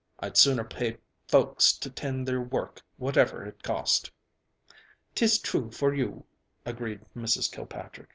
I'd sooner pay folks to tind their work whatever it cost." "'Tis true for you," agreed Mrs. Kilpatrick.